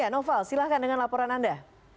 noval silahkan dengan laporan anda